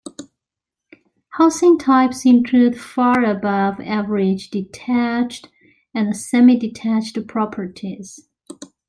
Housing types include far above average detached and semi-detached properties.